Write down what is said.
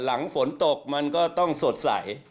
หลังฝนตกมันก็ต้องสดใส